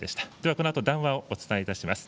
このあと談話をお伝えいたします。